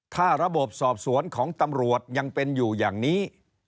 ถ้าระบบสอบสวนของตำรวจยังเป็นอยู่อย่างนี้